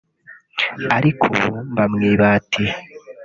ariko ubu mba mu ibati